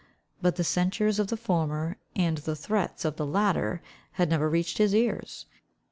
But the censures of the former, and the threats of the latter, had never reached his ears.